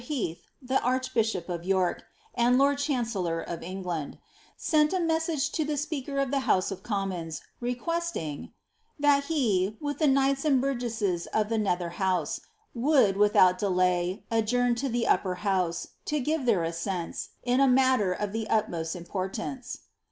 Heath, the archbishop of York, and lord chancellor of Eng land, sent a message to the speaker of the House of Commons, re questing ^ that he, with the knights and burgesses of the nether house, would without delay adjourn to the upper house, to give their assents, in a matter of the utmost importance."